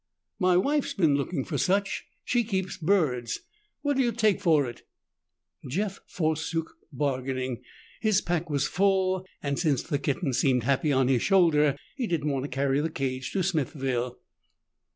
"My wife's been lookin' for such. She keeps birds. What'll you take for it?" Jeff forsook bargaining. His pack was full, and since the kitten seemed happy on his shoulder, he did not want to carry the cage to Smithville.